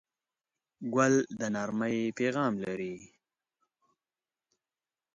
ګل د نرمۍ پیغام لري.